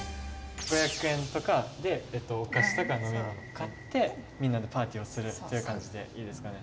５００円とかでお菓子とか飲み物買ってみんなでパーティーをするっていう感じでいいですかね？